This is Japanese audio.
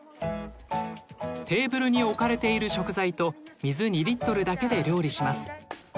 テーブルに置かれている食材と水２リットルだけで料理します。